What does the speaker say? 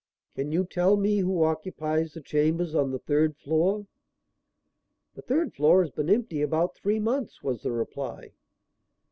"Can you tell me who occupies the chambers on the third floor?" "The third floor has been empty about three months," was the reply.